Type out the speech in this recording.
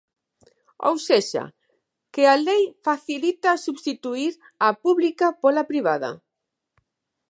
Ou sexa, que a lei facilita substituír a pública pola privada.